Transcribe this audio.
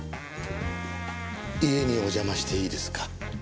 家にお邪魔していいですか？